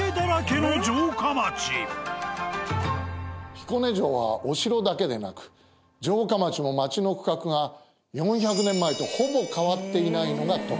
彦根城はお城だけでなく城下町の町の区画が４００年前とほぼ変わっていないのが特徴。